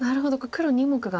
黒２目が。